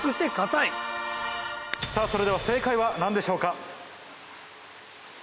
さぁそれでは正解は何でしょうか？